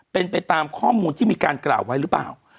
เป็นไปตามข้อมูลที่มีการกล่าวไว้หรือเปล่า